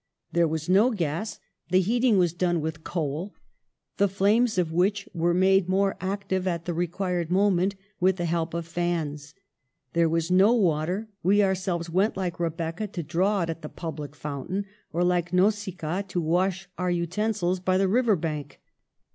There was no gas; the heating was done with coal, the flames of which were made more ac tive at the required moment with the help of fans. There was no water; we ourselves went, like Rebecca, to draw it at the public fountain, or, like Nausicaa, to wash our utensils by the river bank.